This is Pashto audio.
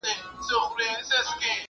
اوس له منبره نه راځي د خپل بلال ږغونه